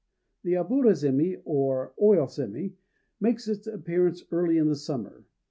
THE aburazémi, or "oil sémi," makes its appearance early in the summer.